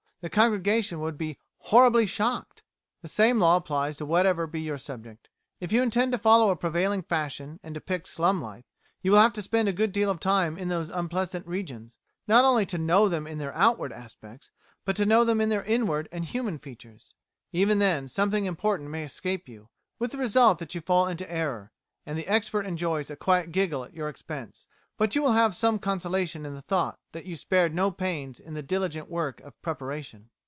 The congregation would be "horribly shocked." The same law applies whatever be your subject. If you intend to follow a prevailing fashion and depict slum life, you will have to spend a good deal of time in those unpleasant regions, not only to know them in their outward aspects, but to know them in their inward and human features. Even then something important may escape you, with the result that you fall into error, and the expert enjoys a quiet giggle at your expense; but you will have some consolation in the thought that you spared no pains in the diligent work of preparation.